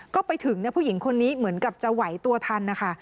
ก็ไปถึงผู้หญิงคนนี้เหมือนกับจะไหวตัวทันนะคะ